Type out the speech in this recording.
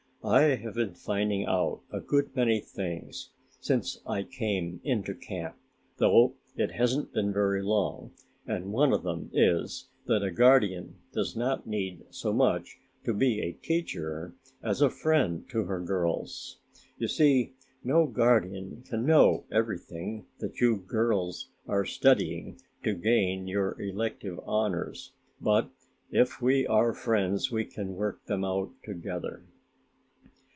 I have been finding out a good many things since I came into camp, though it hasn't been very long, and one of them is that a guardian does not need so much to be a teacher as a friend to her girls. You see no guardian can know everything that you girls are studying to gain your elective honors, but, if we are friends we can work them out together."